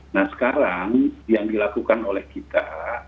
nah sekarang yang dilakukan oleh kita